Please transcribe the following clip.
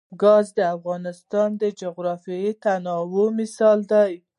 ګاز د افغانستان د جغرافیوي تنوع مثال دی.